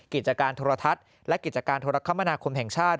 กิจการโทรทัศน์และกิจการโทรคมนาคมแห่งชาติ